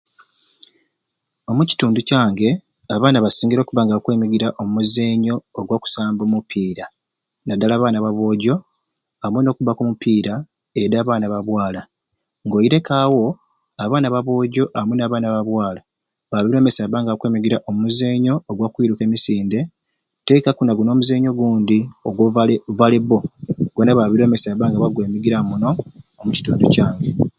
Omukitundu kyange abaana basingire okubba nga bakwemigira omu muzenyo ogwa kusamba omupiira naddala abaana ba bwojo amwe n'okubbaka omupiira edi abaana ba bwala ng'oireku awo abaana ba bwojo amwe n'abaana babwala baabire omu maiso nibabba nga bakwemigira omu muzenyo ogwa kwiruka emisinde teekaku naguni omuzenyo ogundi agw'ovale valibbo gwona baabire omu maiso nibabba nga baggwemigiramu muno omukitundu kyange.